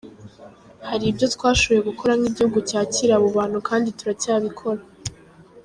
Hari ibyo twashoboye gukora nk’igihugu cyakira abo bantu kandi turacyabakira.